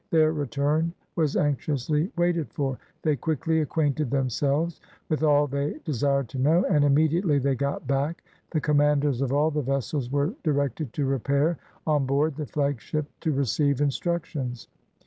Their return was anxiously waited for. They quickly acquainted themselves with all they desired to know, and, immediately they got back, the commanders of all the vessels were directed to repair on board the flagship to receive instructions.